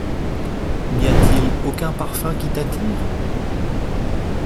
N’y a-t-il aucun parfum qui t’attire?